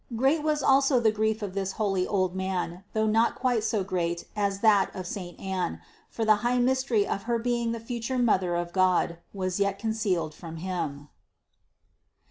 Great was also the grief of this holy old man, though not quite so great as that of saint Anne, for the high mystery of her being the future Mother of God was yet concealed from him.